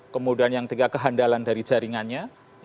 kemudian yang ketiga kehandalan dari jaringannya